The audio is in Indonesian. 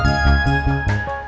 mak mau beli es krim